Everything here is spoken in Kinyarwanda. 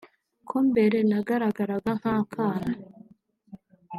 ko mbere nagaragaraga nk’akana